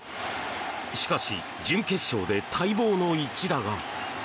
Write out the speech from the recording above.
しかし準決勝で待望の一打が！